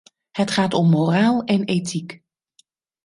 Het gaat om moraal en ethiek.